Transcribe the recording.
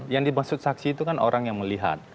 yang dimaksud saksi itu kan orang yang melihat